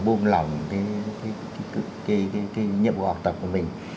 bùm lỏng cái nhiệm vụ học tập của mình